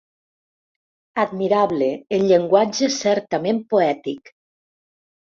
Admirable, en llenguatge certament poètic.